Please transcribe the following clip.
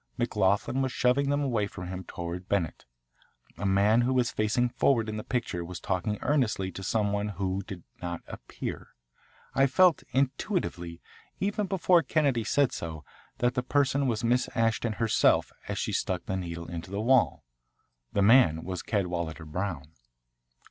McLoughlin was shoving them away from him toward Bennett. A man who was facing forward in the picture was talking earnestly to some one who did not appear. I felt intuitively, even before Kennedy said so, that the person was Miss Ashton herself as she stuck the needle into the wall. The man was Cadwalader Brown.